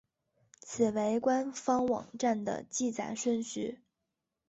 此为官方网站的记载顺序。